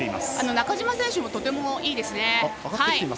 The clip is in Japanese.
中島選手もとてもいいです。